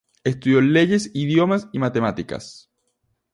Estudió leyes, idiomas y matemáticas.